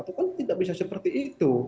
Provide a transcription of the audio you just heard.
itu kan tidak bisa seperti itu